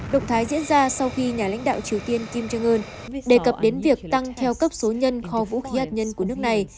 động thái diễn ra sau khi nhà lãnh đạo triều tiên kim jong un đề cập đến việc tăng theo cấp số nhân kho vũ khí hạt nhân của nước này